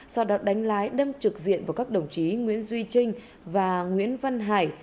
sau đọt đánh lái đâm trực diện vào các đồng chí nguyễn duy trinh và nguyễn văn hải